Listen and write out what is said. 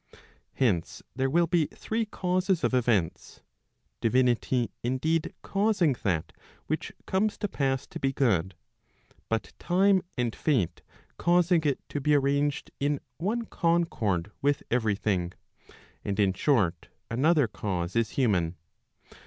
Hence, there will be three causes of events, Divinity indeed causing that which comes to pass to be good; but Time and Fate causing it to be arranged in one concord with every thing. And in short, another cause is human.